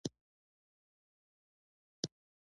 په تېښته کې شول.